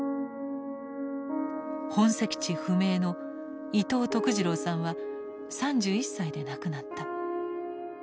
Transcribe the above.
本籍地不明の伊東徳次郎さんは３１歳で亡くなった。